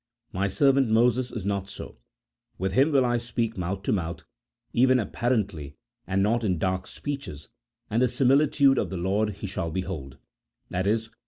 " My servant Moses is not so; with him will I speak mouth to mouth, even apparently, and not in dark speeches, and the similitude of the Lord he shall behold," i.e.